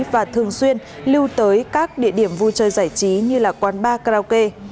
và thường xuyên lưu tới các địa điểm vui chơi giải trí như quán bar karaoke